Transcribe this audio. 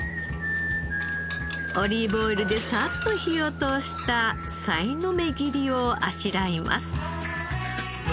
オリーブオイルでサッと火を通したさいの目切りをあしらいます。